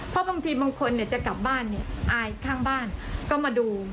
เพราะบางทีบางคนจะกลับบ้านเนี่ยอายข้างบ้านก็มาดู